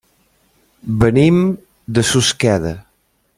Venim de Susqueda.